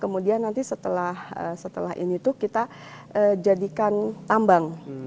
kemudian nanti setelah ini tuh kita jadikan tambang